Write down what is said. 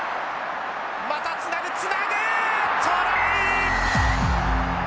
またつなぐつなぐ！トライ！